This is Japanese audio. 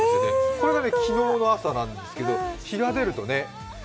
これが昨日の朝なんですけどね、日が出ると。